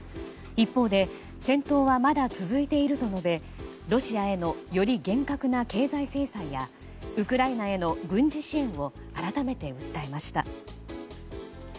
一方で戦闘はまだ続いていると述べロシアへのより厳格な経済制裁やウクライナへの軍事支援を改めて訴えました。